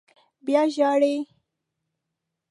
_بيا ژاړې!